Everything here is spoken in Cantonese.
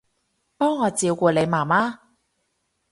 幫我照顧你媽媽